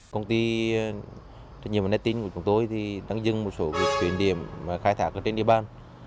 công ty trách nhiệm và nét tinh của chúng tôi đang dừng một số chuyển điểm khai thác trên địa bàn